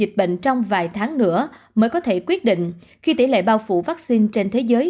dịch bệnh trong vài tháng nữa mới có thể quyết định khi tỷ lệ bao phủ vaccine trên thế giới